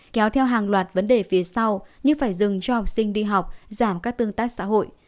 kéo theo hàng loạt vấn đề phía sau như phải dừng cho học sinh đi học giảm các tương tác xã hội